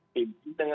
ini dengan beratnya